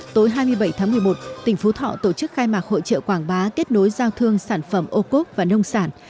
tối hai mươi bảy tháng một mươi một tỉnh phú thọ tổ chức khai mạc hội trợ quảng bá kết nối giao thương sản phẩm ô cốp và nông sản